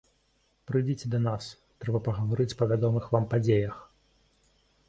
Прыйдзіце да нас, трэба пагаварыць па вядомых вам падзеях.